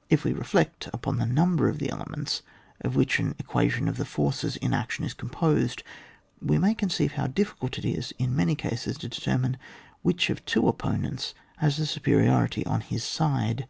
— K we reflect upon the number of the elements of which an equa tion of the forces in action is composed, we may conceive how difficult it is in many cases to determine which of two opponents has the superiority on his side.